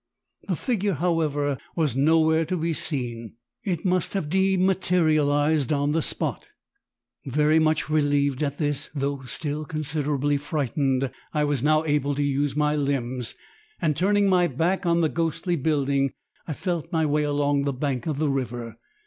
The figure, however, was nowhere to be seen; it must have dematerialised on the spot. "Very much relieved at this, though still considerably frightened, I was now able to use my limbs, and turning my back on the ghostly building, I felt my way along the bank of the river.